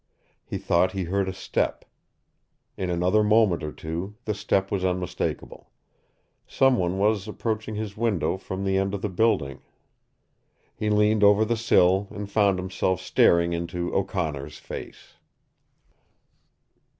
He thought he heard a step. In another moment or two the step was unmistakable. Some one was approaching his window from the end of the building. He leaned over the sill and found himself staring into O'Connor's face.